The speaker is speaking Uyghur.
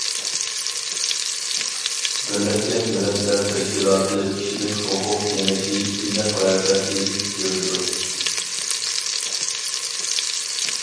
بىرلەشكەن دۆلەتلەر تەشكىلاتى كىشىلىك ھوقۇق كېڭىشى ئېنىق ۋە تەپسىلىي كۆرىدۇ.